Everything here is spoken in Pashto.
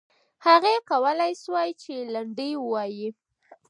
هغې کولای سوای چې لنډۍ ووایي.